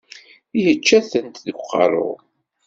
Yečča-tent deg uqerru.